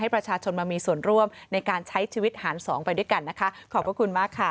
ประชาชนมามีส่วนร่วมในการใช้ชีวิตหารสองไปด้วยกันนะคะขอบพระคุณมากค่ะ